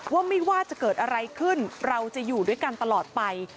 ว่าไม่ว่าจะเกิดอะไรขึ้นเราจะอยู่ด้วยกันตลอดไป